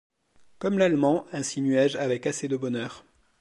Comme l’allemand, insinuai-je avec assez de bonheur.